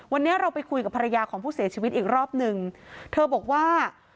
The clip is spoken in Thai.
วันนี้เราไปคุยกับภรรยาของผู้เสียชีวิตอีกรอบหนึ่งเธอบอกว่า